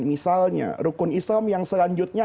misalnya rukun islam yang selanjutnya